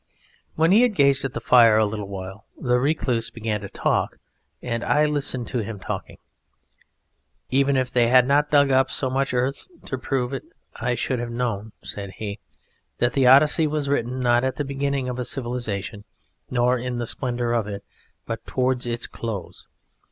When he had gazed at the fire a little while the Recluse began to talk, and I listened to him talking: "Even if they had not dug up so much earth to prove it I should have known," said he, "that the Odyssey was written not at the beginning of a civilisation nor in the splendour of it, but towards its close.